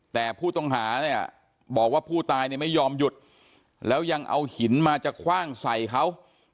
แต่ผู้ต้องหาเนี่ยบอกว่าผู้ตายเนี่ยไม่ยอมหยุดแล้วยังเอาหินมาจะคว่างใส่เขา